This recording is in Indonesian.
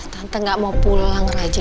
tante gak mau pulang raja